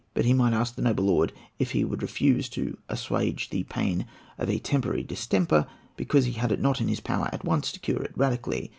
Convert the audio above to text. but he might ask the noble lord if he would refuse to assuage the pain of a temporary distemper because he had it not in his power at once to cure it radically?